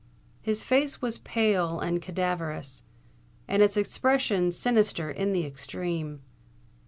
His face was pale and cadaverous, and its expression sinister in the extreme.